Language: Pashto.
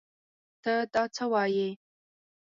تۀ دا څه وايې ؟